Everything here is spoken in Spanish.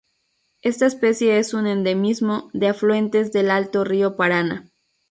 Esta especie es un endemismo de afluentes del Alto río Paraná.